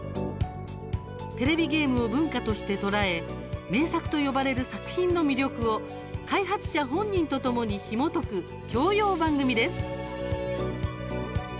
テレビゲームを文化として捉え名作と呼ばれる作品の魅力を開発者本人とともにひもとく教養番組です。